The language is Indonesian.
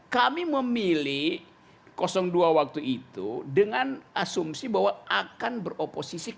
kami memilih dua waktu itu dengan asumsi bahwa akan beroposisi